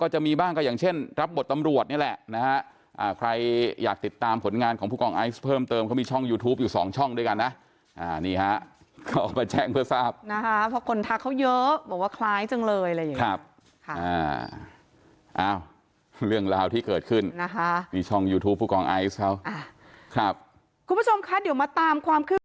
จะมีบ้างก็อย่างเช่นรับบทตำรวจนี่แหละนะฮะใครอยากติดตามผลงานของผู้กองไอซ์เพิ่มเติมเขามีช่องยูทูปอยู่สองช่องด้วยกันนะนี่ฮะเขาเอามาแจ้งเพื่อทราบนะคะเพราะคนทักเขาเยอะบอกว่าคล้ายจังเลยอะไรอย่างนี้ครับค่ะอ้าวเรื่องราวที่เกิดขึ้นนะคะนี่ช่องยูทูปผู้กองไอซ์เขาครับคุณผู้ชมคะเดี๋ยวมาตามความคืบหน้า